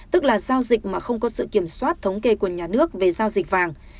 tức là giao dịch mà không có sự kiểm soát thống kê của nhà nước về giao dịch vàng